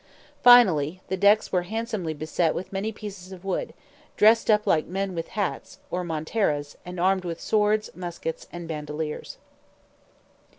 Finally, the decks were handsomely beset with many pieces of wood, dressed up like men with hats, or monteras, and armed with swords, muskets, and bandeleers.